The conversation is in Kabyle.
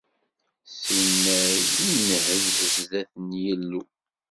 Sinay inhezz sdat Yillu.